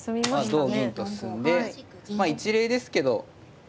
同銀と進んで一例ですけど同銀